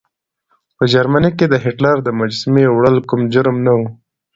په جرمني کې د هېټلر د مجسمې وړل کوم جرم نه و.